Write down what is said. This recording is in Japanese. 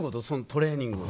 トレーニングを。